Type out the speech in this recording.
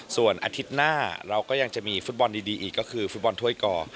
ส่วนอาทิตย์หน้าเราก็ยังจะมีฟุตบอลดีอีกก็คือฟุตบอลถ้วยก่อ